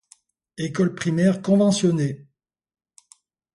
École primaire conventionnée.